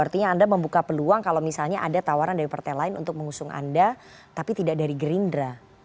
artinya anda membuka peluang kalau misalnya ada tawaran dari partai lain untuk mengusung anda tapi tidak dari gerindra